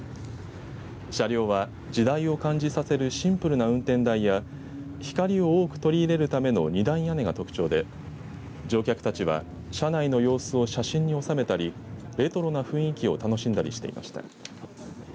車両は時代を感じさせるシンプルな運転台や光を多く取り入れるための二段屋根が特徴で乗客たちは車内の様子を写真に収めたりレトロな雰囲気を楽しんだりしていました。